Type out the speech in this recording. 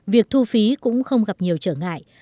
việc thu phí cũng không gặp nhiều trở ngại